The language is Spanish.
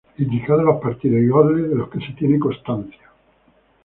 Indicados los partidos y goles de los que se tiene constancia.